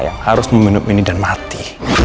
yang harus meminum ini dan mati